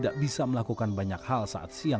dan ekonomi masyarakat setempat